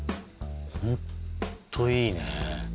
ホントいいね。